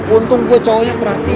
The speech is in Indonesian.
untung gue cowoknya berhati hati